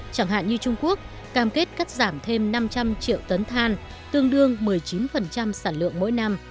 chẳng hạn như trung quốc cam kết cắt giảm thêm năm trăm linh triệu tấn than tương đương một mươi chín sản lượng mỗi năm